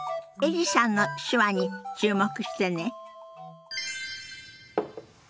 エリさんの手話に注目してね。